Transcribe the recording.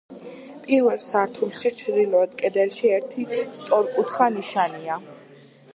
პირველ სართულის ჩრდილოეთ კედელში ერთი სწორკუთხა ნიშია.